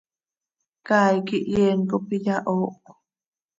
Caay quih yeen cop iyahoohcö.